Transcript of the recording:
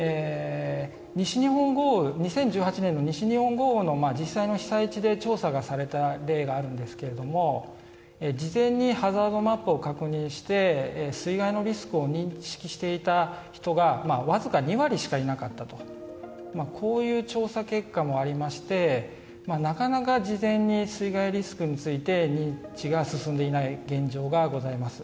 ２０１８年の西日本豪雨の実際の被災地で調査をされた例があるんですけれども事前にハザードマップを確認して水害のリスクを認識していた人が僅か２割しかいなかったとこういう調査結果もありましてなかなか事前に水害リスクについて認知が進んでいない現状がございます。